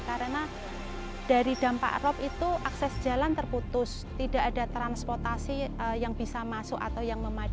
karena dari dampak rop itu akses jalan terputus tidak ada transportasi yang bisa masuk atau yang memadat